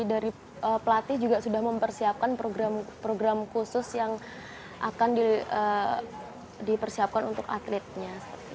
dari pelatih juga sudah mempersiapkan program program khusus yang akan dipersiapkan untuk atletnya